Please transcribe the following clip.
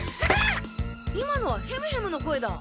今のはヘムヘムの声だ。